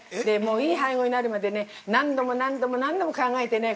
いい配合になるまでね、何度も何度も、何度も考えてね